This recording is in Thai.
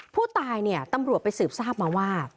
ผู้ตายเนี่ยตำรวจไปสืบทราบมาว่า